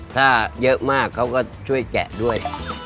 ถ้าเยอะมากเขาก็ช่วยแกะด้วย